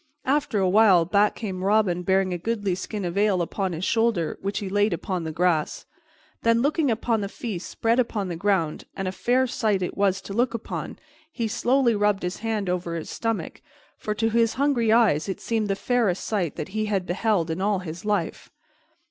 After a while back came Robin bearing a goodly skin of ale upon his shoulder, which he laid upon the grass. Then, looking upon the feast spread upon the ground and a fair sight it was to look upon he slowly rubbed his hand over his stomach, for to his hungry eyes it seemed the fairest sight that he had beheld in all his life.